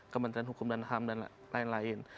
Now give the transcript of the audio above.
kementerian hukum dan ham dan lain lain